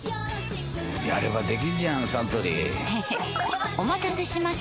やればできんじゃんサントリーへへっお待たせしました！